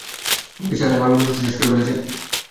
আমাকে ছাড়াই আমার ম্যানিফেস্টো শেষ করে ফেলেছেন।